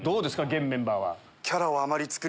現メンバーは。